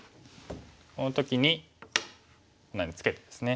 この時にこのようにツケてですね。